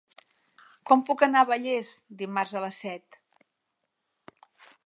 Com puc anar a Vallés dimarts a les set?